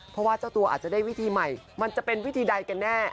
เพราะว่าเจ้าตัวอาจจะได้วิธีใหม่มันจะเป็นวิธีใดกันแน่